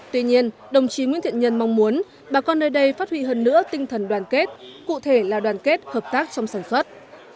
tuy nhiên đồng chí nguyễn thiện nhân mong muốn bà con nơi đây phát huy hơn nữa tinh thần đoàn kết cụ thể là đoàn kết hợp tác trong sản xuất